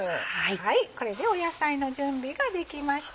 これで野菜の準備ができました。